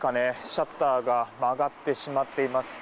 シャッターが曲がってしまっています。